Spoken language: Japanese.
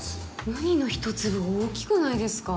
うにの一粒が大きくないですか！？